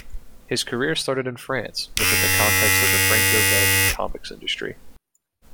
His career started in France within the context of the Franco-Belgian comics industry.